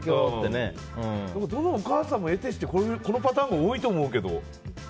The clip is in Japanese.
どのお母さんも、得てしてこのパターンが多いと思うけど。